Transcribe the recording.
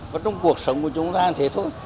còn trong cuộc sống của chúng ta thì thế thôi